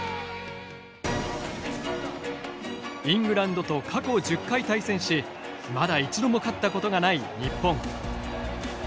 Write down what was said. イングランドと過去１０回対戦しまだ一度も勝ったことがない日本。